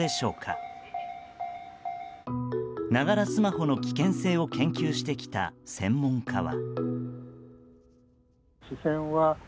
スマホの危険性を研究してきた専門家は。